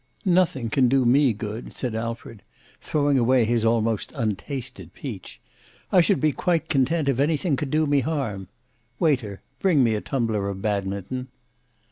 "Nothing can do me good," said Alfred, throwing away his almost untasted peach, "I should be quite content if anything could do me harm. Waiter, bring me a tumbler of Badminton."